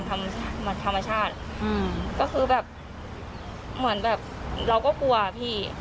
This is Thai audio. ธรรมชาติอืมก็คือแบบเหมือนแบบเราก็กลัวพี่